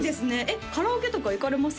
カラオケとか行かれます？